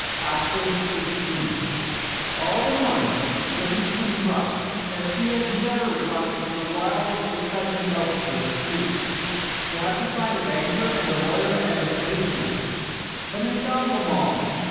CHAPTER XVI All the morning Livingstone "rushed" as he had never "rushed" in the wildest excitement of "the street." He had to find a banker and a lawyer and a policeman. But he found them all.